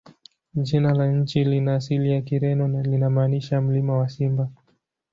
Jina la nchi lina asili ya Kireno na linamaanisha "Mlima wa Simba".